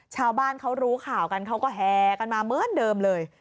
ชาวบ้านเขารู้ข่าวกันเขาก็แหกันมาเหมือนเดิมเลย